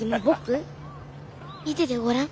見ててごらん。